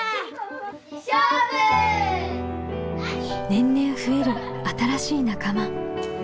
年々増える新しい仲間。